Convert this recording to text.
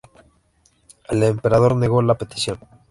El emperador negó la petición.